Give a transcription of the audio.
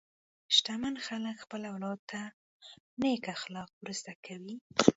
شتمن خلک خپل اولاد ته نېک اخلاق ورزده کوي.